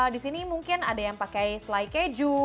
disini mungkin ada yang pakai selai keju